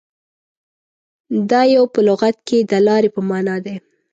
• دایو په لغت کې د لارې په معنیٰ دی.